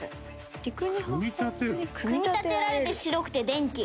組み立てられて白くて電気？